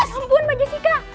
sumpun mbak jessica